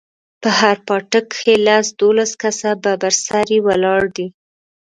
په هر پاټک کښې لس دولس کسه ببر سري ولاړ دي.